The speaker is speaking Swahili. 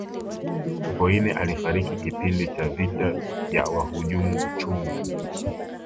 sokoine alifariki kipindi cha vita ya wahujumu uchumi